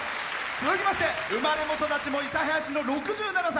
続きまして生まれも育ちも諫早市の６７歳。